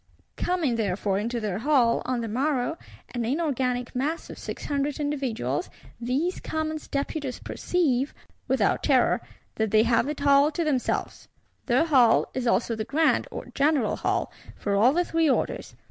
Coming therefore into their Hall, on the morrow, an inorganic mass of Six Hundred individuals, these Commons Deputies perceive, without terror, that they have it all to themselves. Their Hall is also the Grand or general Hall for all the Three Orders.